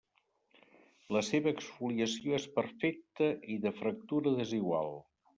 La seva exfoliació és perfecta i de fractura desigual.